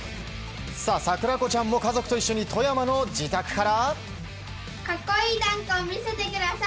桜子ちゃんも家族と一緒に富山の自宅から。